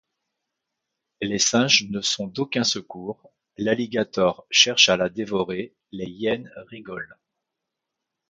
Les singes ne sont d'aucun secours, l'alligator cherche à la dévorer, les hyènes rigolent.